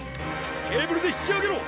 ケーブルで引きあげろ！